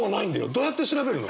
どうやって調べるの？